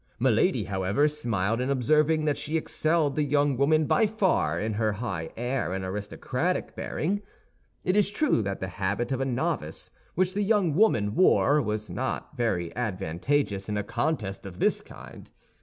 Milady, however, smiled in observing that she excelled the young woman by far in her high air and aristocratic bearing. It is true that the habit of a novice, which the young woman wore, was not very advantageous in a contest of this kind.